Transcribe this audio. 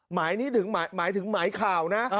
หมายนี้ถึงหมายข่าวนะ